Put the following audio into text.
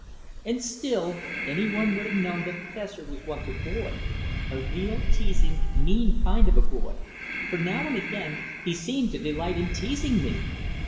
And still, any one would have known that Fessor was once a boy, a real, teasing, mean kind of a boy, for now and again he seemed to delight in teasing me.